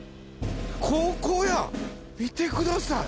ここや見てください。